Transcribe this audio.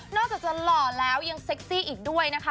อกจากจะหล่อแล้วยังเซ็กซี่อีกด้วยนะคะ